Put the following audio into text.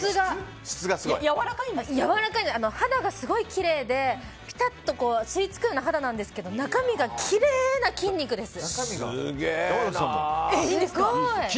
やわらかいというか肌がすごいきれいで、ピタッと吸い付くような肌なんですが中身がきれいな筋肉です。